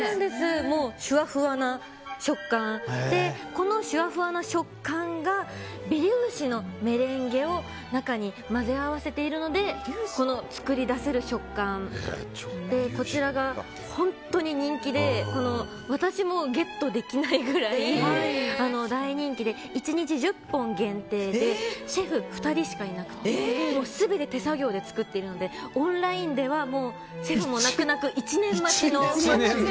しゅわふわな食感でこのしゅわふわな食感が微粒子のメレンゲを中に混ぜ合わせているので作り出せる食感でこちらが、本当に人気で私もゲットできないぐらい大人気で、１日１０本限定でシェフ２人しかいなくて全て手作業で作っているのでオンラインではもうシェフも泣く泣く１年待ちの。